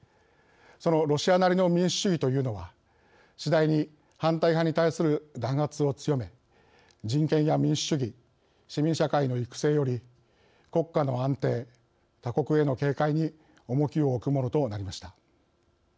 そのロシアなりの民主主義というのは次第に反対派に対する弾圧を強め人権や民主主義市民社会の育成より国家の安定、他国への警戒に重きを置くものとなりました。